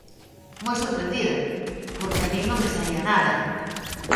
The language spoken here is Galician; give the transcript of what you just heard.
Moi sorprendida, porque a min non me saía nada.